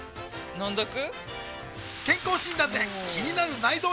飲んどく？